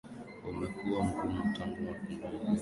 umekuwa mgumu tangu mapinduzi hasa baada ya wanafunzi